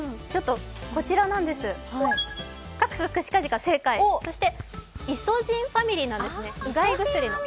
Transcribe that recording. こちらです、カクカクシカジカ正解、そしてイソジンファミリーなんですね、うがい薬の。